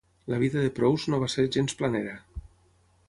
La vida de Prous no va ser gens planera.